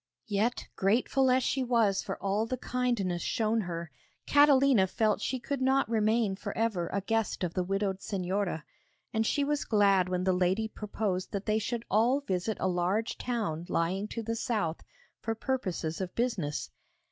Yet, grateful as she was for all the kindness shown her, Catalina felt she could not remain for ever a guest of the widowed Señora; and she was glad when the lady proposed that they should all visit a large town lying to the south, for purposes of business.